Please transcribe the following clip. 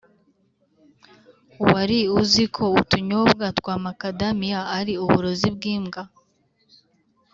wari uziko utunyobwa twa macadamia ari uburozi bwimbwa